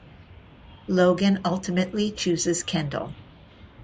Logan ultimately chooses Kendall.